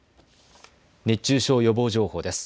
熱中症予防情報です。